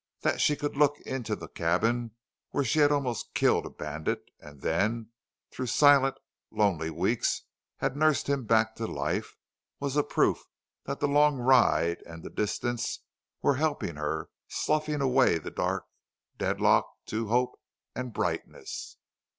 That she could look into the cabin where she had almost killed a bandit, and then, through silent, lonely weeks, had nursed him back to life, was a proof that the long ride and distance were helping her, sloughing away the dark deadlock to hope and brightness.